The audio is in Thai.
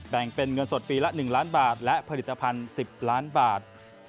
แบ่งเป็นเงินสดปีละ๑ล้านบาทและผลิตภัณฑ์๑๐ล้านบาท